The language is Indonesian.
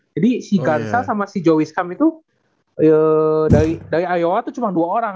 jadi si garza sama si joe wiskam itu dari iowa tuh cuma dua orang